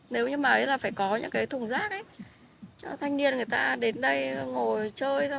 nếu như mà phải có những cái thùng rác ấy cho thanh niên người ta đến đây ngồi chơi